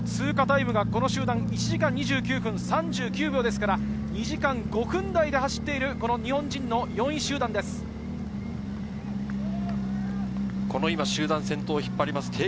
３０ｋｍの通過タイムがこの集団、１時間２９分３９秒ですから、２時間５分台で走っている日本人の４位集団です。